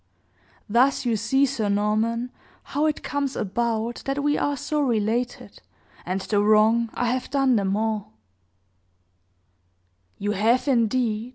Thus you see, Sir Norman, how it comes about that we are so related, and the wrong I have done them all." "You have, indeed!"